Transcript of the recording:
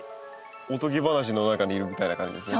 おとぎ話の中にいるみたいな感じですね。